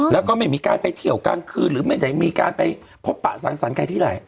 แล้วก็ไม่มีการไปเที่ยวกลางคืนหรือไม่ได้มีการไปพบปะสังสรรค์ใครที่ไหน